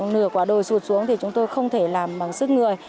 nửa quả đồi sụt xuống thì chúng tôi không thể làm bằng sức người